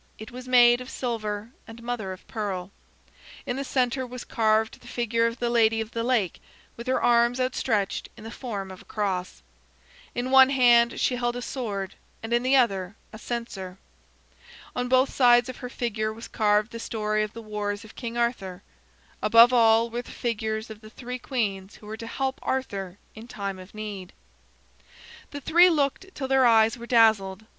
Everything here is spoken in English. It was made of silver and mother of pearl. In the center was carved the figure of the Lady of the Lake, with her arms outstretched in the form of a cross. In one hand she held a sword, and in the other a censer. On both sides of her figure was carved the story of the wars of King Arthur. Above all were the figures of the three queens who were to help Arthur in time of need. The three looked till their eyes were dazzled.